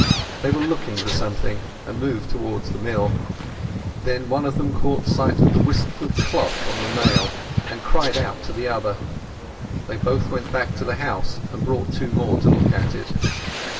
They were looking for something, and moved towards the mill. Then one of them caught sight of the wisp of cloth on the nail, and cried out to the other. They both went back to the house, and brought two more to look at it.